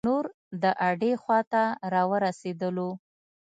نور د اډې خواته را ورسیدلو.